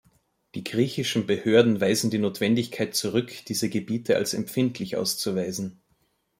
Die griechischen Behörden weisen die Notwendigkeit zurück, diese Gebiete als empfindlich auszuweisen.